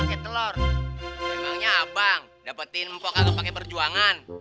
emangnya abang dapetin mpo kalo pake perjuangan